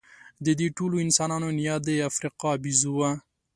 د دې ټولو انسانانو نیا د افریقا بیزو وه.